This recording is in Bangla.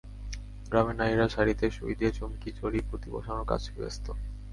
গ্রামের নারীরা শাড়িতে সুই দিয়ে চুমকি, জরি, পুঁতি বসানোর কাজে ব্যস্ত।